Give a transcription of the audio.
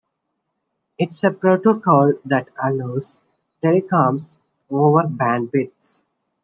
It's a protocol that allows telecoms over bandwidths.